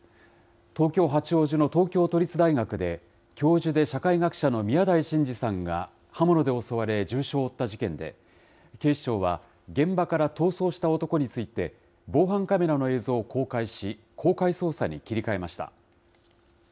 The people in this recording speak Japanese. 東京・八王子の東京都立大学で、教授で社会学者の宮台真司さんが刃物で襲われ重傷を負った事件で、警視庁は、現場から逃走した男について、防犯カメラの映像を公開し、公開捜査に切り替えました。